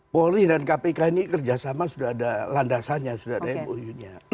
polri dan kpk ini kerjasama sudah ada landasannya sudah ada mou nya